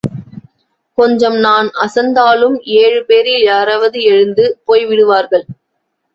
கொஞ்சம் நான் அசந்தாலும் ஏழு பேரில் யாராவது எழுந்து போய்விடுவார்கள்.